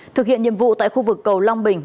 thực hiện nhiệm vụ tại khu vực cầu long bình